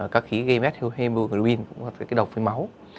các khí gây mất hemoin gây độc với máu